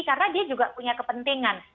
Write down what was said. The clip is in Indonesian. karena dia juga punya kepentingan